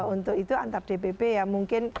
untuk itu antar dpp ya mungkin